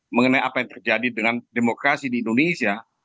mengenai apa yang terjadi dengan demokrasi di indonesia